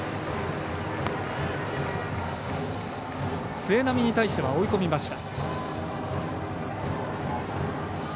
末浪に対しては追い込みました。